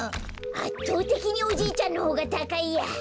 あっとうてきにおじいちゃんのほうがたかいや。